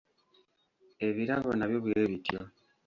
Ebirala nabyo bwe bityo.